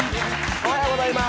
おはようございます。